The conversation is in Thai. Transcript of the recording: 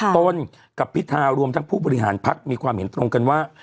ต้นกับพิธารวมทั้งผู้บริหารพักมีความเห็นตรงกันว่า